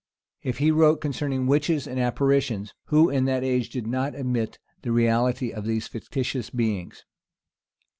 If he wrote concerning witches and apparitions; who, in that age did not admit the reality of these fictitious beings?